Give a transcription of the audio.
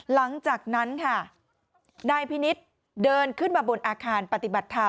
หลังจากนั้นค่ะนายพินิษฐ์เดินขึ้นมาบนอาคารปฏิบัติธรรม